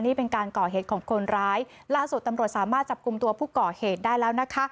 นี่เป็นการก่อเหตุของคนร้ายล่าสุดตำรวจสามารถจับกลุ่มตัวผู้ก่อเหตุได้แล้วนะคะ